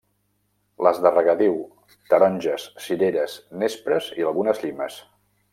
Les de regadiu, taronges, cireres, nespres i algunes llimes.